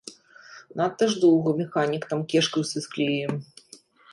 Надта ж доўга механік там кешкаўся з клеем.